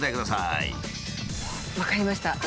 分かりました。